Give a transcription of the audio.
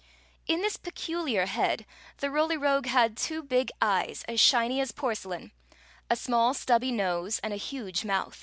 In this peculiar head the Roly Rogue had two big eyes as shiny as porcelain, a small stubby nose, and a huge mouth.